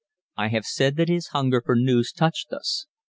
I have said that his hunger for news touched us.